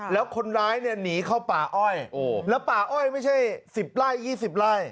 แล้วคนร้ายเนี่ยหนีเข้าป่าอ้อยแล้วป่าอ้อยไม่ใช่๑๐ไร่๒๐ไร่